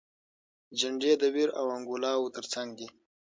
جنډې د ویر او انګولاوو تر څنګ دي.